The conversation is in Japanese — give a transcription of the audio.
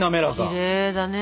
きれいだね！